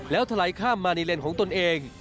แล้วถลายข้ามมาในเลนของตนเอง